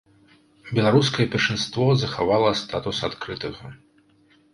Беларускае першынство захавала статус адкрытага.